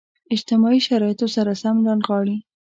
اجتماعي شرایطو سره سم رانغاړي.